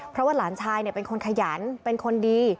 เพราะว่าหลานชายเป็นคนขยันเป็นคนดี